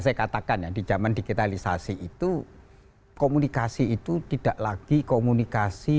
saya katakan ya di zaman digitalisasi itu komunikasi itu tidak lagi komunikasi